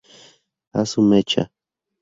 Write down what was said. A’su mecha.